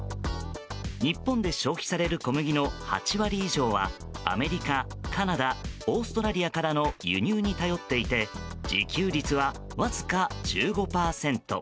日本で消費される小麦の８割以上はアメリカ、カナダオーストラリアからの輸入に頼っていて自給率は、わずか１５％。